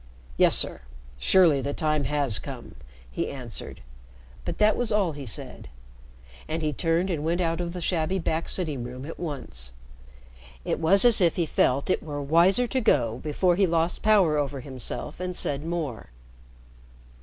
"Yes, sir. Surely the time has come," he answered. But that was all he said, and he turned and went out of the shabby back sitting room at once. It was as if he felt it were wiser to go before he lost power over himself and said more.